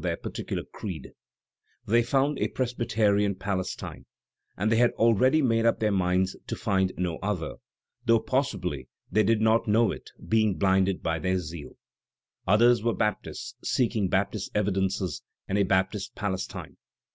Digitized by Google MARK TWAIN 253 particular creed; they found a Presbyterian Palestine, and they had aheady made up their mindd to find no other, though possibly they did not know it, being blinded by their zeal. Others were Baptists, seeking Baptist evidences and a Baptist Palestine.